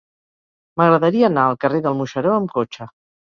M'agradaria anar al carrer del Moixeró amb cotxe.